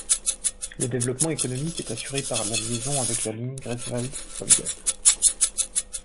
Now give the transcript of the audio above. Le développement économique est assuré par la liaison avec la ligne Greifswald-Wolgast.